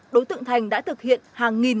đối tượng thành đã thực hiện hàng nghìn